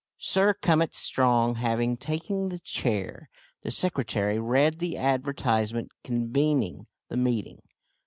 Sir Cummit Strong having taken the chair, the secretary read the advertisement convening the meeting.